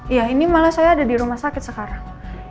iya ini malah saya ada di rumah sakit sekarang